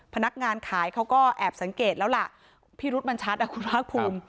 พนักงานขายเขาก็แอบสังเกตแล้วล่ะพิรุษมันชัดอ่ะคุณภาคภูมิ